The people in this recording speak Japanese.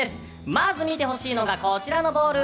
まず見てほしいのはこちらのボール。